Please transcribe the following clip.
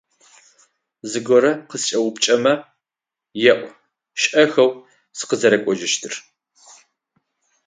Зыгорэ къыскӏэупчӏэмэ, еӏу шӏэхэу сыкъызэрэкӏожьыщтыр.